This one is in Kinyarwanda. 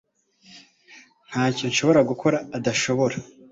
Ntacyo nshobora gukora adashobora